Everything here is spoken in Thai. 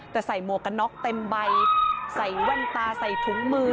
แต่ใส่หมวกกันน็อกเต็มใบใส่แว่นตาใส่ถุงมือ